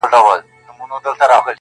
ځوان له ډيري ژړا وروسته څخه ريږدي.